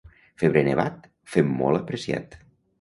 Febrer nevat, fem molt apreciat.